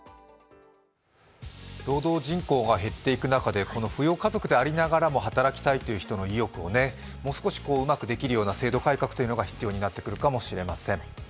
労働人口が減っていく中で扶養家族でありながら働きたいという人の意欲をもう少しうまくできるような制度改革が必要になってくるかもしれません。